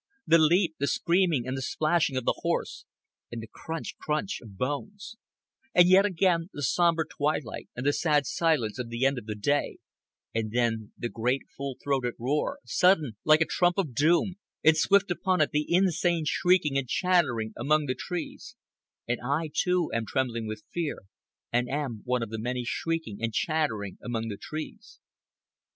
—the leap, the screaming and the splashing of the horse, and the crunch crunch of bones; and yet again, the sombre twilight and the sad silence of the end of day, and then the great full throated roar, sudden, like a trump of doom, and swift upon it the insane shrieking and chattering among the trees, and I, too, am trembling with fear and am one of the many shrieking and chattering among the trees.